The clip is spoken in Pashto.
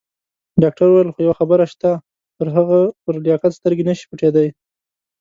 ډاکټر وویل: خو یوه خبره شته، پر هغه پر لیاقت سترګې نه شي پټېدای.